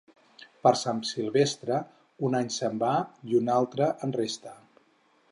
Per Sant Silvestre, un any se'n va i un altre en resta.